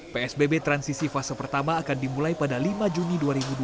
psbb transisi fase pertama akan dimulai pada lima juni dua ribu dua puluh